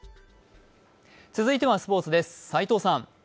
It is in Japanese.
続いてはスポーツです。